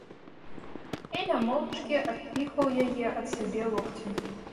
Эля моўчкі адпіхваў яе ад сябе локцем.